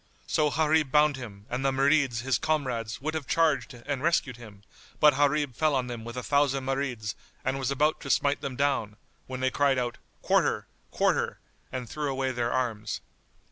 So Gharib bound him, and the Marids his comrades would have charged and rescued him, but Gharib fell on them with a thousand Marids and was about to smite them down, when they cried out "Quarter! Quarter!" and threw away their arms.